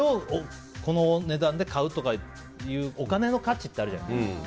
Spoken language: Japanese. この値段で買うとかいうお金の価値ってあるじゃない。